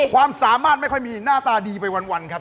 ความสามารถไม่ค่อยมีหน้าตาดีไปวันครับ